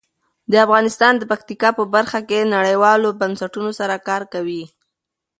افغانستان د پکتیکا په برخه کې نړیوالو بنسټونو سره کار کوي.